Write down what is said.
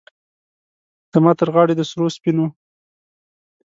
زما ترغاړې د سرو، سپینو،